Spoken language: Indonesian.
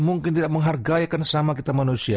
mungkin tidak menhargai kita seorang manusia